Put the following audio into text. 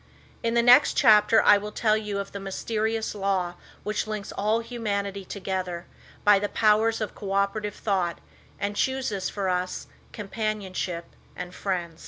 In the next chapter I will tell you of the mysterious law, which links all humanity together, by the powers of co operative thought, and chooses for us companionship and friends.